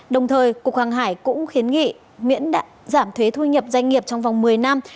đồng thời cục hàng hải cũng khuyến nghị miễn giảm thuế thu nhập doanh nghiệp trong vòng một mươi năm